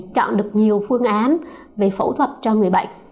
chọn được nhiều phương án về phẫu thuật cho người bệnh